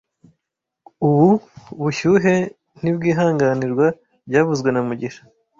Ubu bushyuhe ntibwihanganirwa byavuzwe na mugisha